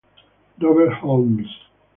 Robert Holmes